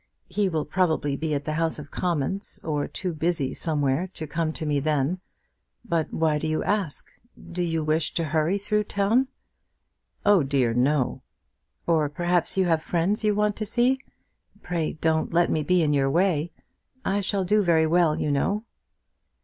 He will probably be at the House of Commons, or too busy somewhere to come to me then. But why do you ask? Do you wish to hurry through town?" "Oh dear, no." "Or perhaps you have friends you want to see. Pray don't let me be in your way. I shall do very well, you know."